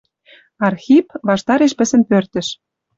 Архип, ваштареш пӹсӹн пӧртӹш